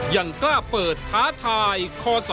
ยังกล้าเปิดท้าทายคศ